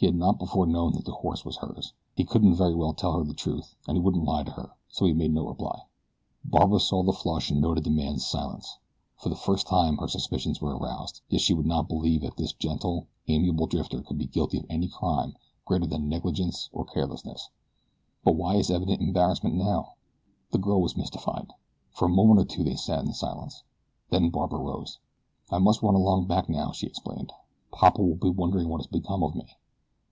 He had not before known that the horse was hers. He couldn't very well tell her the truth, and he wouldn't lie to her, so he made no reply. Barbara saw the flush and noted the man's silence. For the first time her suspicions were aroused, yet she would not believe that this gentle, amiable drifter could be guilty of any crime greater than negligence or carelessness. But why his evident embarrassment now? The girl was mystified. For a moment or two they sat in silence, then Barbara rose. "I must run along back now," she explained. "Papa will be wondering what has become of me."